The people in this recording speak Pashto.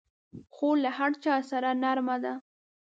خور له هر چا سره نرمه ده.